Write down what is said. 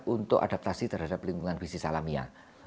untuk adaptasi terhadap lingkungan fisik salamia